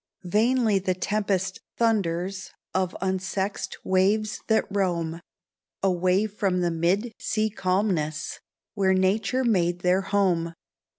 Vainly the tempest thunders, Of unsexed waves that roam, Away from the mid sea calmness, Where Nature made their home.